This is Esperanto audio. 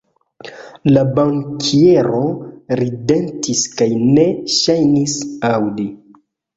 La bankiero ridetis kaj ne ŝajnis aŭdi.